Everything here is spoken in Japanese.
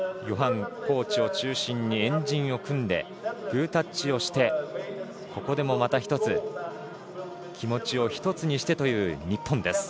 ヨハンコーチを中心に円陣を組んでグータッチをしてここでも、またひとつ気持ちを１つにしてという日本。